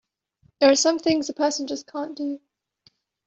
There are some things a person just can't do!